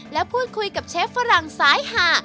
และพูดคุยกับเชฟฝรั่งสายหา